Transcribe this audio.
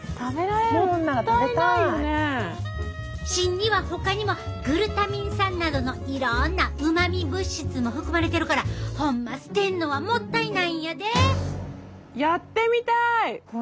芯にはほかにもグルタミン酸などのいろんなうまみ物質も含まれてるからホンマ捨てんのはもったいないんやで！ね。